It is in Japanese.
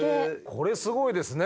これすごいですね。